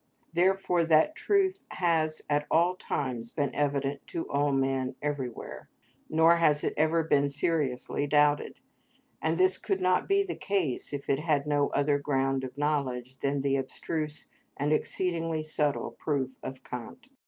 Therefore that truth has at all times been evident to all men everywhere, nor has it ever been seriously doubted; and this could not be the case if it had no other ground of knowledge than the abstruse and exceedingly subtle proof of Kant.